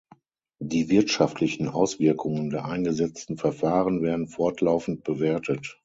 Die wirtschaftlichen Auswirkungen der eingesetzten Verfahren werden fortlaufend bewertet.